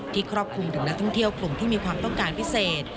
ครอบคลุมถึงนักท่องเที่ยวกลุ่มที่มีความต้องการพิเศษ